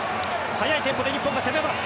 速いテンポで日本が攻めます。